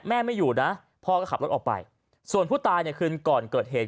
ไม่อยู่นะพ่อก็ขับรถออกไปส่วนผู้ตายในคืนก่อนเกิดเหตุ